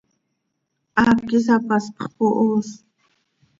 Haac isapaspx pohos.